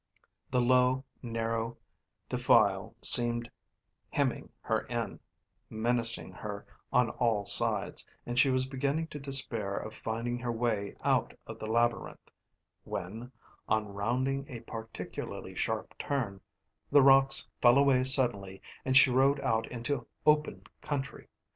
The low, narrow defile seemed hemming her in, menacing her on all sides, and she was beginning to despair of finding her way out of the labyrinth, when, on rounding a particularly sharp turn, the rocks fell away suddenly and she rode out into open country.